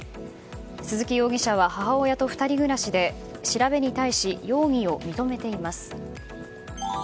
鈴木容疑者は母親と２人暮らしで調べに対し容疑を認めています。